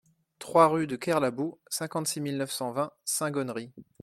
trois rue de Kerlaboux, cinquante-six mille neuf cent vingt Saint-Gonnery